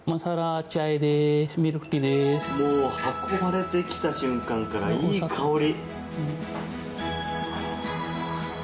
運ばれてきた瞬間からいい香り。